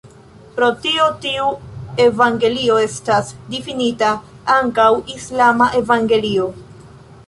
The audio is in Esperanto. Pro tio tiu evangelio estas difinita ankaŭ "islama evangelio".